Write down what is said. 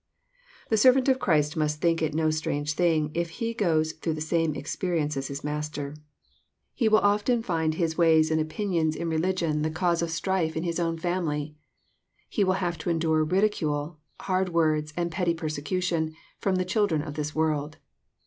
The servant of Christ must think it no strange thing if he goes through the same experience as his Master He will often find his ways and opinions in religion the cause JOHlf, CHAP. X. 203 of strife in his own family. He will have to endure ridi cule, hard words, and petty persecution, from the children of this world.